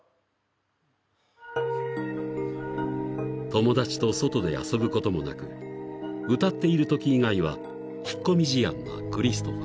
［友達と外で遊ぶこともなく歌っているとき以外は引っ込み思案なクリストファー］